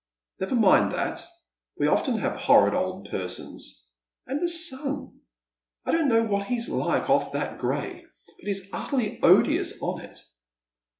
" Never mind that. We often have horrid old persons." " And the son, — I don't know what he's like ofE that gray, but he's utterly odious on it."